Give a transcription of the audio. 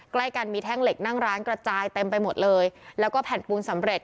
ใกล้กันมีแท่งเหล็กนั่งร้านกระจายเต็มไปหมดเลยแล้วก็แผ่นปูนสำเร็จ